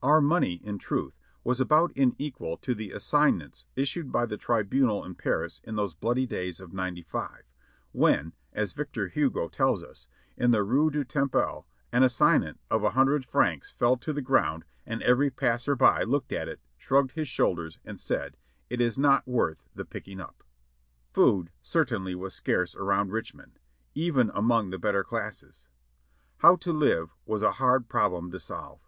Our money, in truth, was about equal in value to the "as signats" issued by the Tribunal in Paris in those bloody days of '95, when, as Victor Hugo tells us, in the Rue du Temple an as signat of a hundred francs fell to the ground and every passerby looked at it. shrugged lu's shoulders and said, "it is not wortli the picking up." Food certainly was scarce around Richmond, even among the better classes. "How to live" was a hard problem to solve.